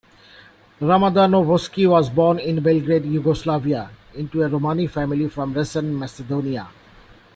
Ramadanovski was born in Belgrade, Yugoslavia, into a Romani family from Resen, Macedonia.